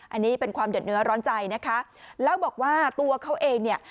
อันนี้เป็นความเดือดเนื้อร้อนใจนะคะแล้วบอกว่าตัวเขาเองเนี่ย